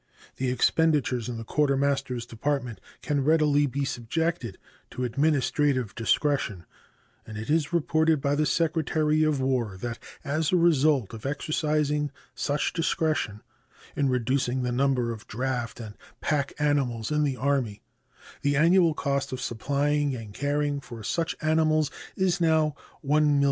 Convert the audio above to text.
The expenditures in the Quartermaster's Department can readily be subjected to administrative discretion, and it is reported by the Secretary of War that as a result of exercising such discretion in reducing the number of draft and pack animals in the Army the annual cost of supplying and caring for such animals is now $1,108,085.